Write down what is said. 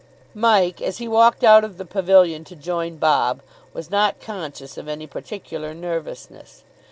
Mike, as he walked out of the pavilion to join Bob, was not conscious of any particular nervousness.